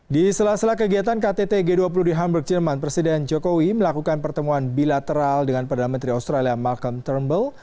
di sela sela kegiatan ktt g dua puluh di hamburg jerman presiden jokowi melakukan pertemuan bilateral dengan perdana menteri australia malcom turnbl